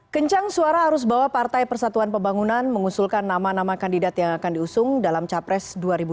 kencang suara arus bawah partai persatuan pembangunan mengusulkan nama nama kandidat yang akan diusung dalam capres dua ribu dua puluh